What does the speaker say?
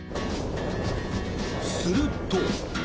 すると。